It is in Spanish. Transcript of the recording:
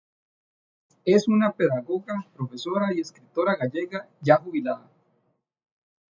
Es una pedagoga, profesora y escritora gallega ya jubilada.